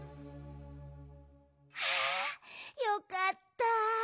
はあよかった。